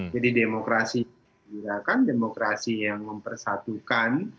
jadi demokrasi yang memperbirakan demokrasi yang mempersatukan